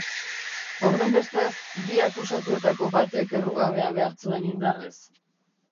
Horrenbestez, bi akusatuetako batek errugabea behar zuen indarrez.